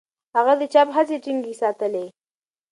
هغه د چاپ هڅې ټینګې ساتلې.